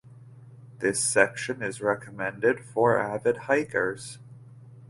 This section is recommended for avid hikers.